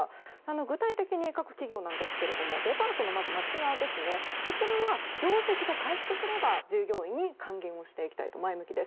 具体的に各企業ですがデパートの松屋は業績が回復すれば従業員に還元していきたいと前向きです。